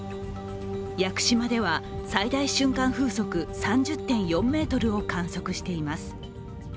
屋久島では最大瞬間風速３０．４メートルを観測しています。